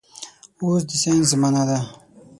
اوس د ساينس زمانه ده